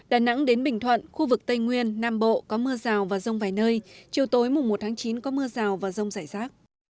đà nẵng đến bình thuận khu vực tây nguyên nam bộ có mưa rào và rông vài nơi chiều tối mùng một tháng chín có mưa rào và rông rải rác